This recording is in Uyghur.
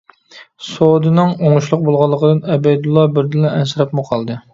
سودىنىڭ ئوڭۇشلۇق بولغانلىقىدىن ئەبەيدۇللا بىردىنلا ئەنسىرەپمۇ قالدى.